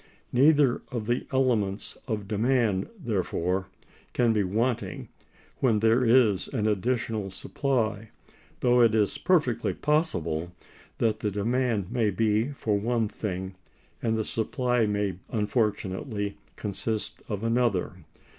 Neither of the elements of demand, therefore, can be wanting when there is an additional supply, though it is perfectly possible that the demand may be for one thing, and the supply may, unfortunately, consist of another.